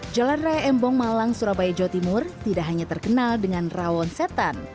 jalan raya embong malang surabaya jawa timur tidak hanya terkenal dengan rawon setan